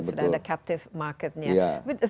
sudah ada captive marketnya